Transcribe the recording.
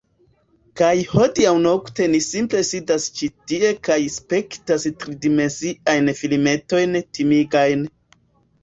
Kaj hodiaŭnokte ni simple sidas ĉi tie kaj spektas tridimensiajn filmetojn timigajn